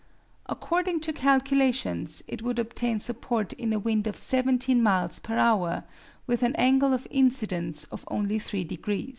According to calculations, it would obtain support in a wind of 17 miles per hour with an angle of incidence of only three degrees.